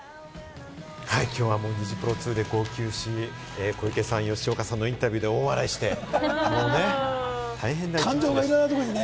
きょうはニジプロ２で号泣し、小池さん、吉岡さんのインタビューでお笑いして、もうね、大変でした。